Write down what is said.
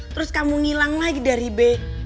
terus kamu ngilang lagi dari b